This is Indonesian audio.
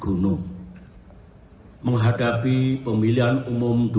saya mendengar mengetahui bahwa ada tanda tanda pemilu dua ribu dua puluh empat bisa tidak jujur dan tidak adil